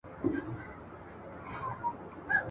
دا پردۍ ښځي چي وینمه شرمېږم ..